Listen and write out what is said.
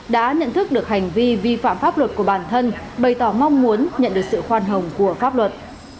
đã nhận thức được hành vi vi phạm pháp luật của bản thân bày tỏ mong muốn nhận được sự khoan hồng của pháp luật